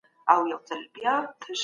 ټولنه له یو حالت څخه بل ته ځي.